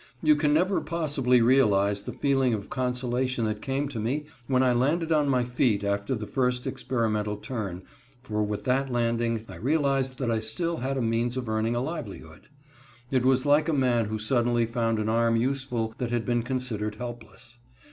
You can never possibly realize the feeling of consolation that came to me when I landed on my feet after the first experimental turn, for, with that landing, I realized that I still had a means of earning a livelihood. It was like a man who suddenly found an arm useful that had been considered helpless.